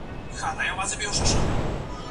شاګرده د خپل لارښود استاد لارښووني په دقت عملي کړه.